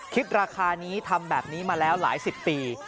คิดราคานี้ทำแบบนี้มาแล้วหลายสิบปี